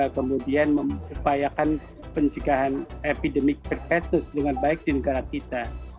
kemudian mengupayakan pencegahan epidemik berpetsus dengan baik di negara kita